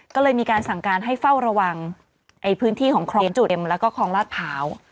ก็เลยมีการสั่งการให้เฝ้าระวังพื้นที่ของคลองจุเอ็มแล้วก็คลองลาดพร้าว